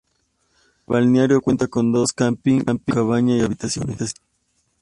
El balneario cuenta con dos campings con cabañas, y habitaciones.